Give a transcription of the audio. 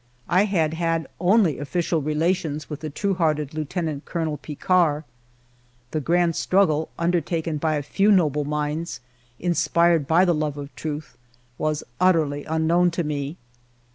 I had had only official relations with the true hearted Lieutenant Colonel Picquart. The grand struggle 294 FIVE YEARS OF MY LIFE undertaken by a few noble minds, inspired by the love of truth, was utterly unknown to me.